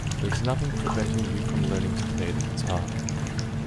There's nothing preventing you from learning to play the guitar.